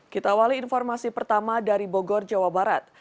kita awali informasi pertama dari bogor jawa barat